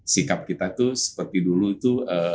sikap kita itu seperti dulu itu